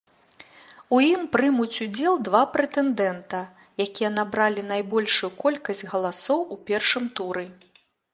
У ім прымуць удзел два прэтэндэнта, якія набралі найбольшую колькасць галасоў у першым туры.